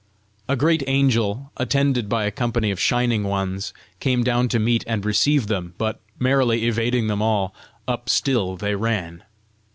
A great angel, attended by a company of shining ones, came down to meet and receive them, but merrily evading them all, up still they ran.